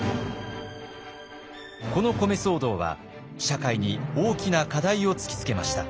この米騒動は社会に大きな課題を突きつけました。